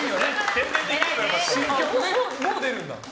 もう出るんだ？